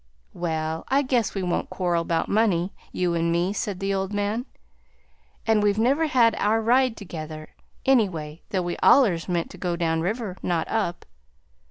"Well, I guess we won't quarrel 'bout money, you and me," said the old man; "and we've never had our ride together, anyway, though we allers meant to go down river, not up."